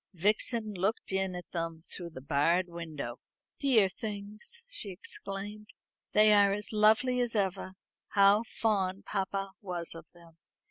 Vixen looked in at them through the barred window. "Dear things," she exclaimed; "they are as lovely as ever. How fond papa was of them."